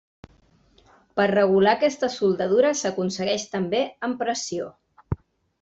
Per regular aquesta soldadura s'aconsegueix també amb pressió.